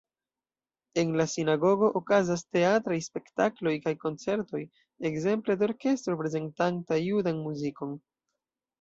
En la sinagogo okazas teatraj spektakloj kaj koncertoj, ekzemple de orkestro prezentanta judan muzikon.